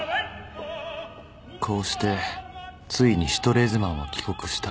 ［こうしてついにシュトレーゼマンは帰国した。